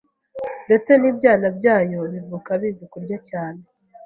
ndetse n'ibyana byayo bivuka bizi kurya cyane